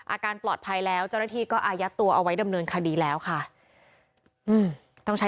อาการปลอดภัยแล้วเจราะที่ก็อายัดตัวเอาไว้ดำเนินคดีแล้วค่ะ